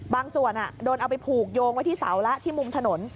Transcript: บางส่วนโดนเอาไปผูกโยงไว้ที่เสาแล้วที่มุมถนน